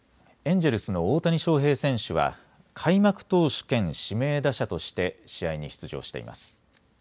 エンジェルスの大谷翔平選手は開幕投手兼指名打者として試合に出場しています。